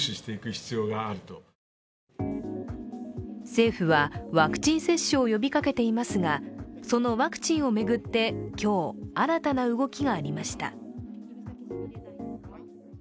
政府はワクチン接種を呼びかけていますが、そのワクチンを巡って今日、新たな動きがありました。